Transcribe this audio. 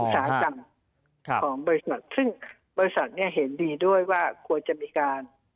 สาหกรรมของบริษัทซึ่งบริษัทเนี่ยเห็นดีด้วยว่าควรจะมีการ